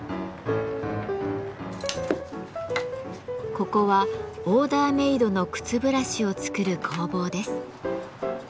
ここはオーダーメードの靴ブラシを作る工房です。